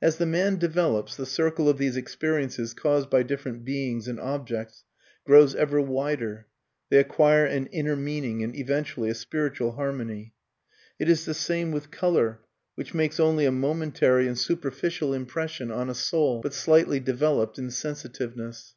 As the man develops, the circle of these experiences caused by different beings and objects, grows ever wider. They acquire an inner meaning and eventually a spiritual harmony. It is the same with colour, which makes only a momentary and superficial impression on a soul but slightly developed in sensitiveness.